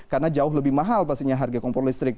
karena jauh lebih mahal pastinya harga kompor listrik